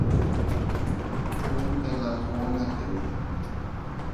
ښوونکي لارښوونه کوي.